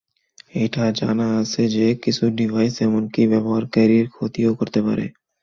এটা জানা আছে যে, কিছু ডিভাইস এমনকি ব্যবহারকারীর ক্ষতিও করতে পারে।